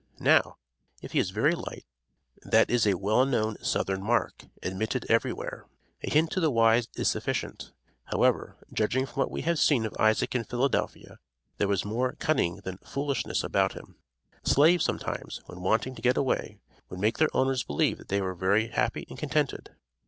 Now, if he is "very light," that is a well known southern mark, admitted everywhere. A hint to the wise is sufficient. However, judging from what was seen of Isaac in Philadelphia, there was more cunning than "foolishness" about him. Slaves sometimes, when wanting to get away, would make their owners believe that they were very happy and contented.